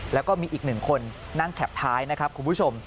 แล้วก็มีอีกหนึ่งคนนั่งแข็บท้ายนะครับคุณผู้ชม